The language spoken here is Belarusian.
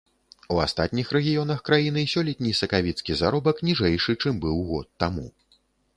У астатніх рэгіёнах краіны сёлетні сакавіцкі заробак ніжэйшы, чым быў год таму.